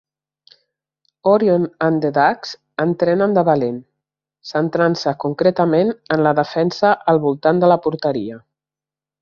Orion and the Ducks entrenen de valent, centrant-se concretament en la defensa al voltant de la porteria.